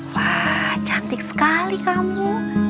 wah cantik sekali kamu